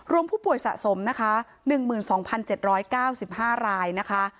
รวมผู้ป่วยสะสมนะคะหนึ่งหมื่นสองพันเจ็ดร้อยเก้าสิบห้ารายนะคะ